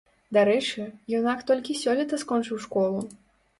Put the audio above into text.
Дарэчы, юнак толькі сёлета скончыў школу.